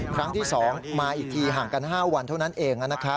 ครั้งที่๒มาอีกทีห่างกัน๕วันเท่านั้นเอง